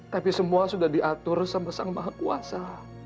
tapi semua sudah diatur sama sang maha kuasa